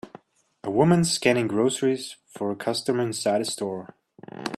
A woman scanning groceries for a customer inside a store.